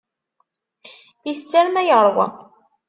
Ittett arma yeṛwa.